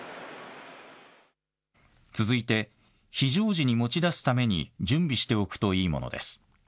続いて、非常時に持ち出すために準備しておくといいものです。